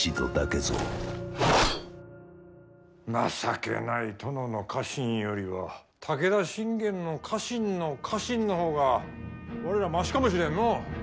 情けない殿の家臣よりは武田信玄の家臣の家臣の方が我らマシかもしれんのう。